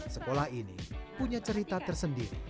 sekolah ini punya cerita tersendiri